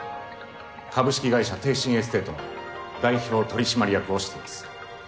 株式会社帝進エステートの代表取締役をしています。